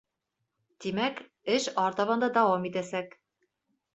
Тимәк, эш артабан да дауам итәсәк.